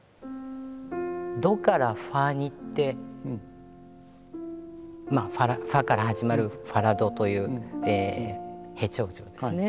ドからファにいってファから始まるファラドというヘ長調ですね